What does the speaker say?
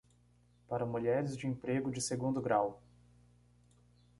Para mulheres de emprego de segundo grau